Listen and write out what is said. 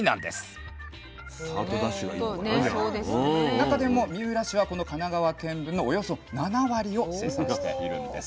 中でも三浦市はこの神奈川県分のおよそ７割を生産しているんです。